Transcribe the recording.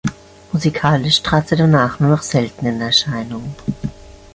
Musikalisch trat sie danach nur noch selten in Erscheinung.